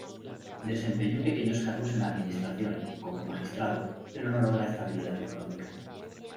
Desempeñó pequeños cargos en la administración, como magistrado, pero no logra estabilidad económica.